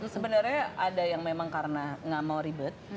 sebenarnya ada yang memang karena nggak mau ribet